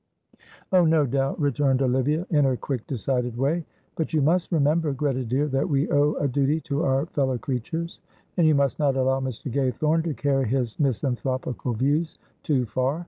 "Oh, no doubt," returned Olivia, in her quick, decided way; "but you must remember, Greta dear, that we owe a duty to our fellow creatures, and you must not allow Mr. Gaythorne to carry his misanthropical views too far.